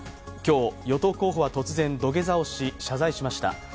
今日、与党候補は突然土下座をし謝罪をしました。